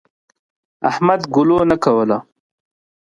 احمد ګلو نه کوله.